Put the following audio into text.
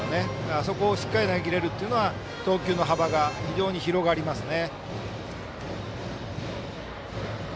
あそこをしっかり投げきれるっていうのは投球の幅が広がりますね。